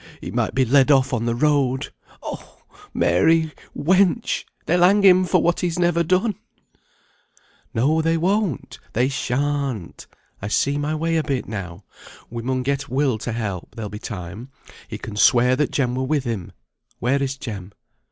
He might be led off on the road. Oh! Mary, wench! they'll hang him for what he's never done." [Footnote 45: "To set," to accompany.] "No, they won't they shan't! I see my way a bit now. We mun get Will to help; there'll be time. He can swear that Jem were with him. Where is Jem?"